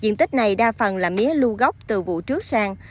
diện tích này đa phần là mía lưu gốc từ vụ trước sang